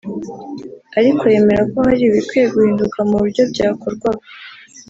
ariko yemera ko hari ibikwiye guhinduka mu buryo byakorwaga